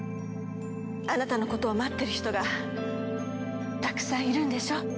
あなたのことを待ってる人がたくさんいるんでしょ？